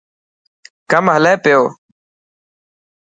ڪم هلي پيو.